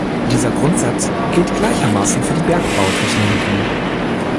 Dieser Grundsatz gilt gleichermaßen für die Bergbautechnologie.